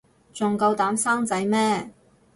仲夠膽生仔咩